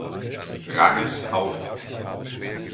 Ranges auf.